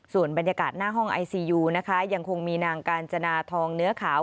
ส่วนบรรยากาศหน้าห้องไอซียูนะคะยังคงมีนางกาญจนาทองเนื้อขาว